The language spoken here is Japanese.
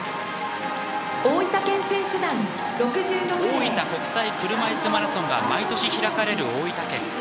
大分国際車いすマラソンが毎年開かれる大分県。